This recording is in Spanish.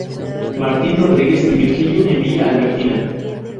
Martín Rodríguez y Virgilio en Villa Albertina.